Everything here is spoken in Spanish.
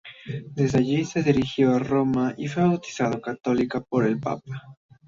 Desde allí se dirigió a Roma y fue bautizada católica por el Papa.